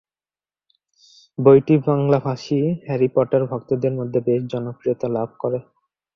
বইটি বাংলাভাষী Harry Potter ভক্তদের মধ্যে বেশ জনপ্রিয়তা লাভ করে।